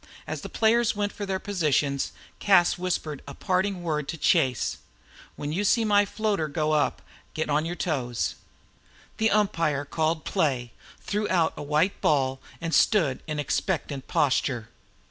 As the players went for their positions Cas whispered a parting word to Chase: "When you see my floater go up get on your toes!" The umpire called play, threw out a white ball, and stood in expectant posture.